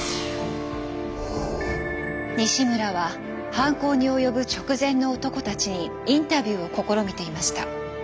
西村は犯行に及ぶ直前の男たちにインタビューを試みていました。